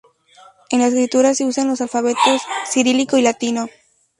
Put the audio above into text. En la escritura se usan los alfabetos cirílico y latino.